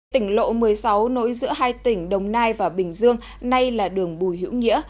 tỉnh lộ một mươi sáu nối giữa hai tỉnh đồng nai và bình dương nay là đường bùi hữu nghĩa